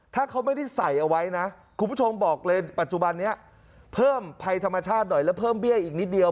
ถ้าเขาไม่ได้ใส่เอาไว้นะคุณผู้ชมบอกเลยปัจจุบันนี้เพิ่มภัยธรรมชาติหน่อยแล้วเพิ่มเบี้ยอีกนิดเดียว